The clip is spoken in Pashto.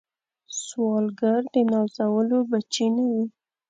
سوالګر د نازولو بچي نه وي